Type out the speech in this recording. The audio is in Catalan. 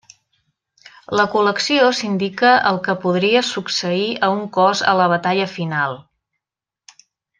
La col·lecció s'indica el que podria succeir a un cos a la batalla final.